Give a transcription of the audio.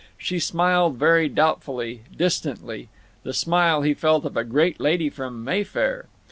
She smiled very doubtfully, distantly—the smile, he felt, of a great lady from Mayfair.